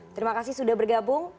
terima kasih sudah bergabung